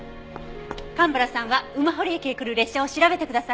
蒲原さんは馬堀駅へ来る列車を調べてください！